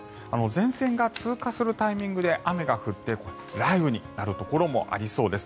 前線が通過するタイミングで雨が降って雷雨になるところもありそうです。